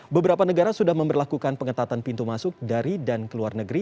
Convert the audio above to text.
beberapa negara sudah memperlakukan pengetatan pintu masuk dari dan ke luar negeri